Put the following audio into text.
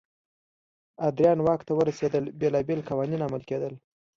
ادریان واک ته ورسېدل بېلابېل قوانین عملي کېدل.